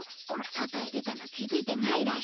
外へ出たの気づいてないらしい。